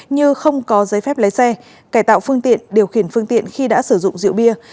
như không có giấy phép lấy xe cải tạo phương tiện điều khiển phương tiện khi đã sử dụng rượu bia